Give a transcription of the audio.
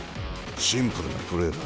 シンプルなプレーだ。